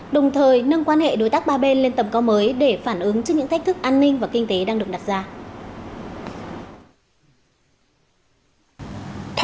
đồng thời nâng quan hệ đối tác ba bên lên tầm cao mới để phản ứng trước những thách thức an ninh và kinh tế đang được đặt ra